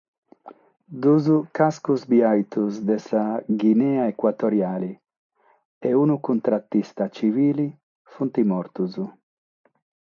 Duos cascos biaitos de sa Guinea Ecuatoriale e unu contratista tzivile sunt mortos.